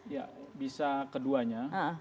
ya bisa keduanya